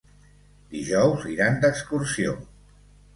Dijous iran d'excursió.